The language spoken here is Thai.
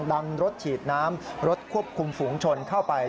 รถฉีดน้ำรถควบคุมฝูงชนเข้าไป